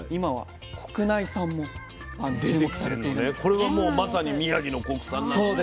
これはもうまさに宮城の国産なのね。